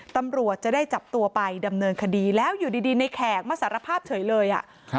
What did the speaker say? ตำรวจจะได้จับตัวไปดำเนินคดีแล้วอยู่ดีในแขกมาสารภาพเฉยเลย